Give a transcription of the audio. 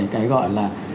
cái gọi là